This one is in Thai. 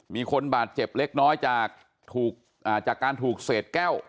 มีคนบาดเจ็บเล็กน้อยจากการถูกเศษแก้ว